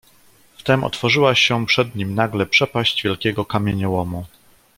"Wtem otworzyła się przed nim nagle przepaść wielkiego kamieniołomu."